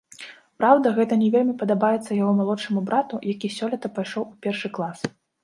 Праўда, гэта не вельмі падабаецца яго малодшаму брату, які сёлета пайшоў у першы клас.